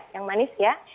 yang manis ya